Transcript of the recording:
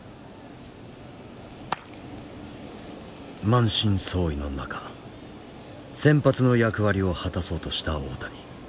満身創痍の中先発の役割を果たそうとした大谷。